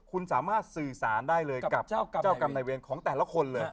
คุณสามารถสื่อสารได้เลยกับเจ้ากรรมนายเวรของแต่ละคนเลย